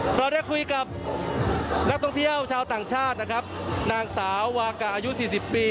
เราได้คุยกับนักท่องเที่ยวชาวต่างชาตินะครับนางสาววากาอายุ๔๐ปี